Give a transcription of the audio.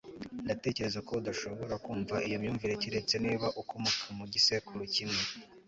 Ndatekereza ko udashobora kumva iyo myumvire keretse niba ukomoka mu gisekuru kimwe